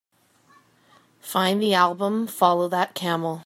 Find the album Follow That Camel